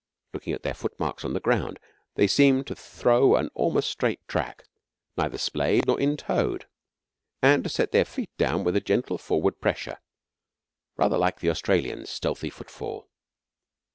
Looking at their footmarks on the ground they seem to throw an almost straight track, neither splayed nor in toed, and to set their feet down with a gentle forward pressure, rather like the Australian's stealthy footfall.